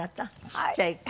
ちっちゃい子。